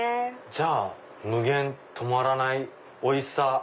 じゃあ「無限止まらないおいしさ」。